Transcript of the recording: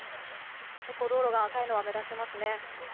結構、道路が赤いのが目立ちますね。